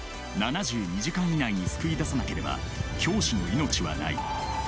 ７２時間以内に救い出さなければ教師の命はない。